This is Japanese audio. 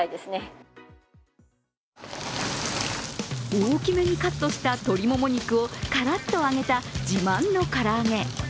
大きめにカットした鶏もも肉をカラッと揚げた自慢の唐揚げ。